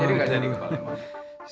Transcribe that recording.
jadi gak jadi kepala yang banget